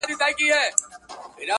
د ُملا په څېر به ژاړو له اسمانه-